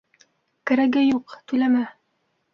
— Кәрәге юҡ, түләмә.